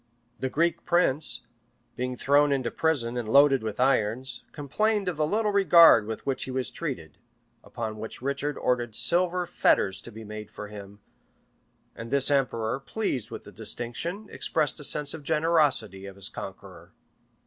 The Greek prince, being thrown into prison and loaded with irons, complained of the little regard with which he was treated; upon which Richard ordered silver fetters to be made for him; and this emperor, pleased with the distinction, expressed a sense of the generosity of his conqueror.